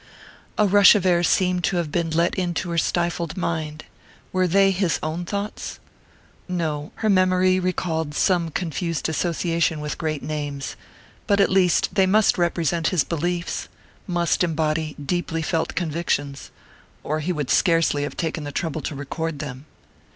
_ A rush of air seemed to have been let into her stifled mind. Were they his own thoughts? No her memory recalled some confused association with great names. But at least they must represent his beliefs must embody deeply felt convictions or he would scarcely have taken the trouble to record them.